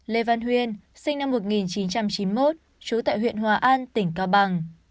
lê văn huyên sinh năm một nghìn chín trăm chín mươi một trú tại huyện hòa an tỉnh cao bằng